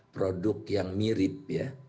produk yang mirip